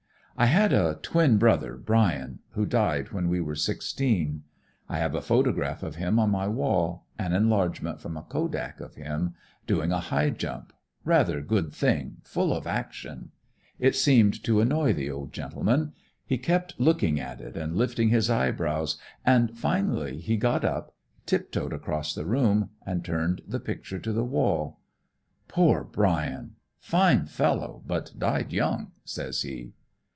"I had a twin brother, Brian, who died when we were sixteen. I have a photograph of him on my wall, an enlargement from a kodak of him, doing a high jump, rather good thing, full of action. It seemed to annoy the old gentleman. He kept looking at it and lifting his eyebrows, and finally he got up, tip toed across the room, and turned the picture to the wall. "'Poor Brian! Fine fellow, but died young,' says he.